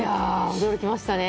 驚きましたね。